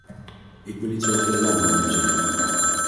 Ik wil iets over de landmijnen zeggen.